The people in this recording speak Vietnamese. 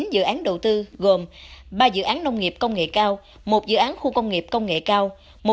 chín dự án đầu tư gồm ba dự án nông nghiệp công nghệ cao một dự án khu công nghiệp công nghệ cao